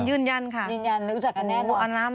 ยืนยันค่ะ